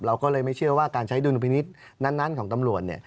เราก็เลยไม่เชื่อว่าการใช้ดุลพินิษฐ์นั้นของตำรวจ